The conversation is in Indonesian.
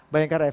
banyak yang ref